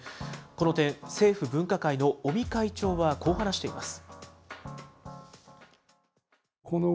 この点、政府分科会の尾身会長はこう話しています。